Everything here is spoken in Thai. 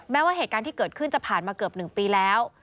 ว่าเหตุการณ์ที่เกิดขึ้นจะผ่านมาเกือบ๑ปีแล้ว